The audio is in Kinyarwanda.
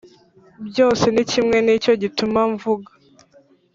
Byose ni kimwe ni cyo gituma mvuga